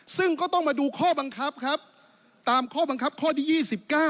ซึ่งก็ต้องมาดูข้อบังคับครับตามข้อบังคับข้อที่๒๙